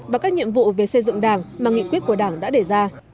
và các nhiệm vụ về xây dựng đảng mà nghị quyết của đảng đã đề ra